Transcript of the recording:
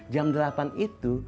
jam delapan itu